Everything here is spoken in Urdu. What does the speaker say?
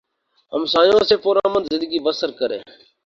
ہمسایوں سے پر امن زندگی بسر کریں